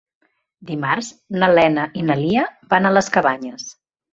Dimarts na Lena i na Lia van a les Cabanyes.